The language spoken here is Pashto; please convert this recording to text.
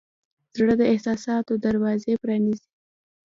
زړه د احساساتو دروازې پرانیزي.